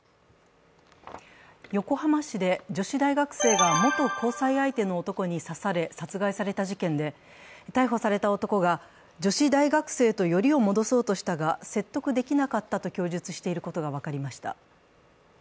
横浜市で女子大学生が元交際相手の男に刺され殺害された事件で逮捕された男が、女子大学生とよりを戻そうとしたが説得できなかったと供述していることが分かりました。